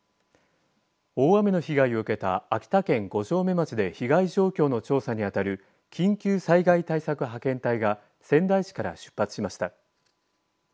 大雨の被害を受けた秋田県五城目町で被害状況の調査に当たる緊急災害対策派遣隊が仙台市から出発しました。